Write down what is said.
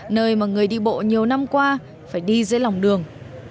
nơi mà người đi bộ nhiều năm qua phải đi dưới lòng đường